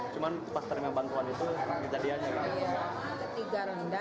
cuman pas terima bantuan itu kejadiannya